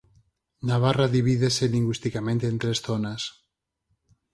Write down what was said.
Navarra divídese lingüisticamente en tres zonas.